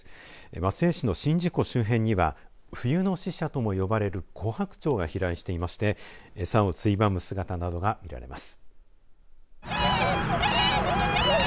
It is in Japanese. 松江市の宍道湖周辺には冬の使者とも呼ばれるコハクチョウが飛来していまして餌をついばむ姿などが見られます。